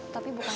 tapi bukan kamu